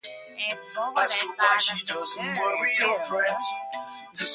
It is bordered by the Missouri River.